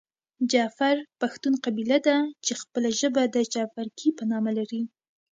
جعفر پښتون قبیله ده چې خپله ژبه د جعفرکي په نامه لري .